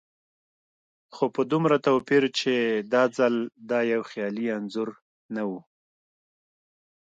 خو په دومره توپير چې دا ځل دا يو خيالي انځور نه و.